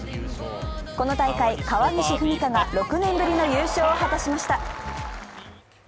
この大会、川岸史果が６年ぶりの優勝を果たしました。